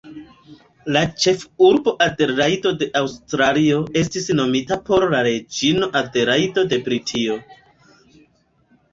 La ĉefurbo Adelajdo de Aŭstralio estis nomita por la reĝino Adelajdo de Britio.